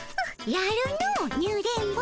やるのニュ電ボ。